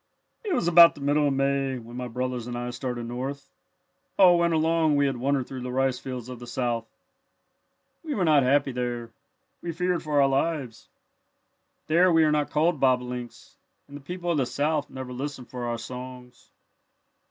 "It was about the middle of May when my brothers and I started north. All winter long we had wandered through the rice fields of the South. "We were not happy there. We feared for our lives. There we are not called bobolinks and the people of the South never listen for our songs.